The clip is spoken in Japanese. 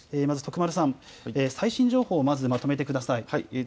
徳丸さん、最新情報をまとめてください。